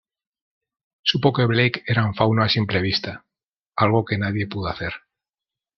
Supo que Blake era un fauno a simple vista, algo que nadie pudo hacer.